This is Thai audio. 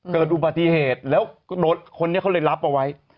เกิดอุบัติเหตุแล้วรถคนนี้เขาเลยรับเอาไว้